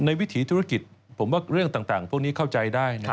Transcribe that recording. วิถีธุรกิจผมว่าเรื่องต่างพวกนี้เข้าใจได้นะ